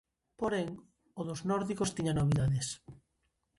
Porén, o dos nórdicos tiña novidades.